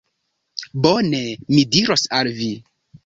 Bone, mi diros al vi.